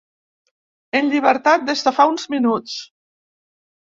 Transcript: En llibertat des de fa uns minuts.